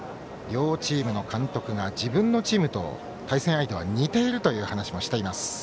両チームの監督が自分のチームと対戦相手が似ているという話もしています。